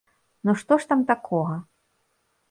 Ну што ж там такога?